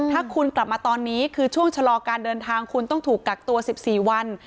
ถ้าคุณกลับมาตอนนี้คือช่วงชะลอการเดินทางคุณต้องถูกกักตัว๑๔วัน